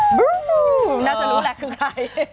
น่าจะรู้แหละคือใคร